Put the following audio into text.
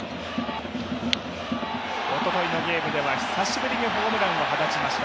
おとといのゲームでは久しぶりにホームランを放ちました。